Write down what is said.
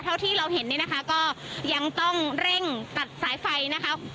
เท่าที่เราเห็นเนี่ยนะคะก็ยังต้องเร่งตัดสายไฟนะคะ